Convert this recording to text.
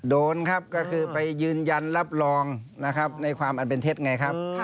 โดนครับก็คือไปยืนยันรับรองนะครับในความอันเป็นเท็จไงครับ